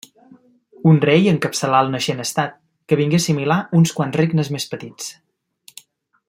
Un rei encapçalà el naixent estat, que vingué a assimilar uns quants regnes més petits.